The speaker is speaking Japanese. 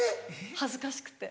恥ずかしくて。